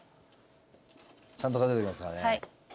ちゃんと数えときますからね。